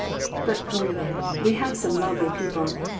But, really, we have some lovely people.